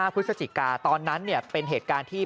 พฤศจิกาตอนนั้นเป็นเหตุการณ์ที่